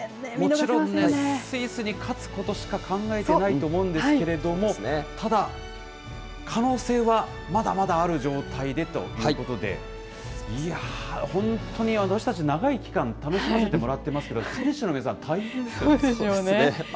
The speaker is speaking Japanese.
もちろんスイスに勝つことしか考えてないと思うんですけれども、ただ、可能性はまだまだある状態でということで、いやぁ、本当に私たち、長い期間、楽しませてもらってますけど、選手の皆さそうでしょうね。